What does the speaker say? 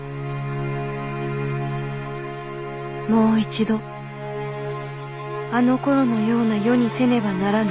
「もう一度あのころのような世にせねばならぬ。